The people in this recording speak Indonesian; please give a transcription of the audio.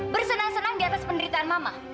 bersenang senang di atas penderitaan mama